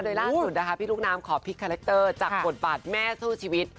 โดยล่าสุดนะคะพี่ลูกน้ำขอพลิกคาแรคเตอร์จากบทบาทแม่สู้ชีวิต